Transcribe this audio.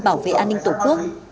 bảo vệ an ninh tổ quốc